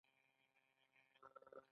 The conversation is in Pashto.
په کتاب کې د نهو ټکو ستونزه ذکر شوې.